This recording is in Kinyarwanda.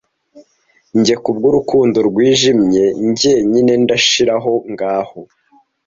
njye kubwurukundo rwijimye njyenyine ndashiraho ngaho